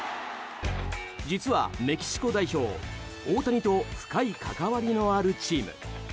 実はメキシコ代表大谷と深い関わりのあるチーム。